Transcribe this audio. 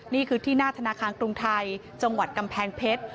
นี่คือที่หน้าธนาคารกรุงไทยจังหวัดกำแพงเพชร